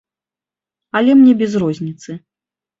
Але мне без розніцы.